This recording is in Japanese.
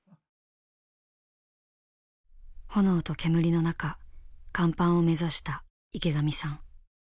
炎と煙の中甲板を目指した池上さん。